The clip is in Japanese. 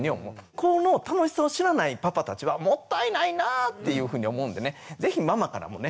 この楽しさを知らないパパたちはもったいないなぁっていうふうに思うんでね是非ママからもね